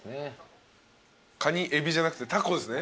カニエビじゃなくてタコですね？